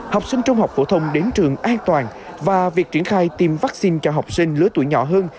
học sinh trung học phổ thông đến trường an toàn và việc triển khai tiêm vaccine cho học sinh lứa tuổi nhỏ hơn